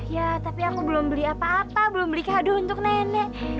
ya tapi aku belum beli apa apa belum beli kado untuk nenek